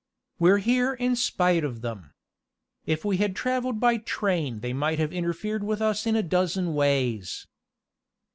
We're here in spite of them. If we had traveled by train they might have interfered with us in a dozen ways."